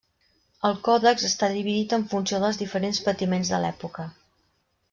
El Còdex està dividit en funció dels diferents patiments de l'època.